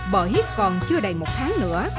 bởi còn chưa đầy một tháng nữa